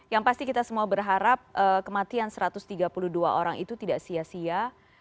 yang pasti kita semua berharap kematian satu ratus tiga puluh dua orang itu tidak sia sia